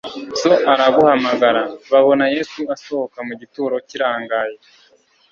So araguhamagara. Babona Yesu asohoka mu gituro kirangaye